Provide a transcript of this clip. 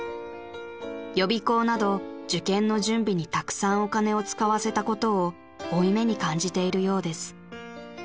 ［予備校など受験の準備にたくさんお金を使わせたことを負い目に感じているようです］